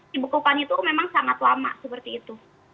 dibekukan itu memang sangat lama seperti itu